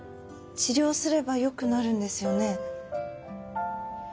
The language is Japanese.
治療すればよくなるんですよね？